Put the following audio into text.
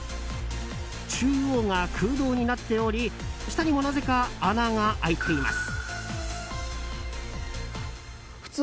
中央が空洞になっており下にもなぜか穴が開いています。